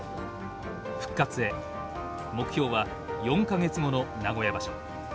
復活へ目標は４か月後の名古屋場所。